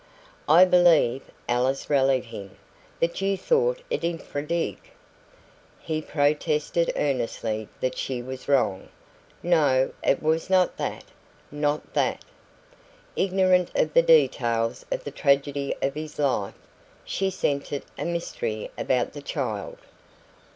"I believe," Alice rallied him, "that you thought it INFRA DIG." He protested earnestly that she was wrong. No, it was not that not THAT. Ignorant of the details of the tragedy of his life, she scented a mystery about the child.